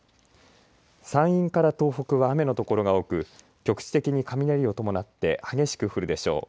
山陰から東北は雨の所が多く局地的に雷を伴って激しく降るでしょう。